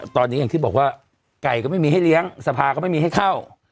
ตอนนี้อย่างที่บอกว่าไก่ก็ไม่มีให้เลี้ยงสภาก็ไม่มีให้เข้า